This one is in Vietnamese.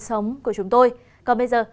cảm ơn quý vị đã theo dõi